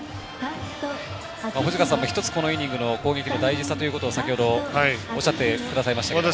藤川さんも１つ、このイニングの攻撃の大事さ先ほどおっしゃってくださいましたが。